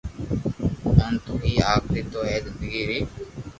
انت تو ھي آخري تو ھي زندگي ري ھر